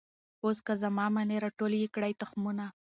اوس که زما منۍ را ټول یې کړی تخمونه